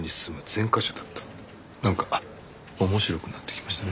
なんか面白くなってきましたね。